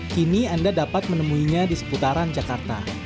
kini anda dapat menemuinya di seputaran jakarta